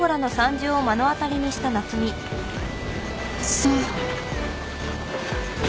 嘘。